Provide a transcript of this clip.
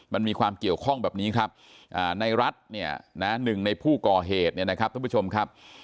มันมีความเกี่ยวข้องแบบนี้ครับในรัฐเนี่ยนะหนึ่งในผู้ก่อเหตุเนี่ยนะครับท่านผู้ชมครับ